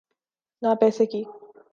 نہ پیسے کی۔